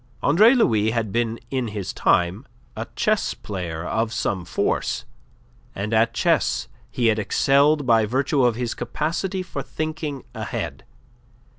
Andre Louis had been in his time a chess player of some force, and at chess he had excelled by virtue of his capacity for thinking ahead.